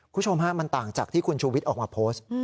คุณผู้ชมฮะมันต่างจากที่คุณชูวิทย์ออกมาโพสต์